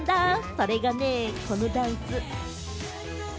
それがね、このダンス。